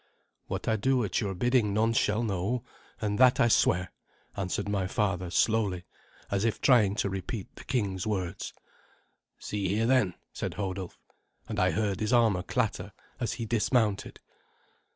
"What I do at your bidding none shall know, and that I swear," answered my father slowly, as if trying to repeat the king's words. "See here, then," said Hodulf, and I heard his armour clatter as he dismounted.